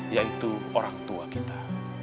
yaitu orang tua kita